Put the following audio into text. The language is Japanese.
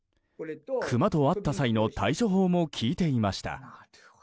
クマと会った際の対処法も聞いていました。